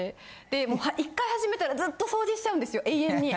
で１回始めたらずっと掃除しちゃうんですよ永遠に。